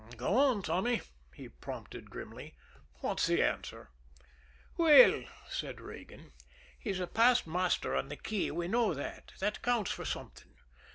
"Go on, Tommy," he prompted grimly. "What's the answer?" "Well," said Regan, "he's a past master on the key, we know that that counts for something.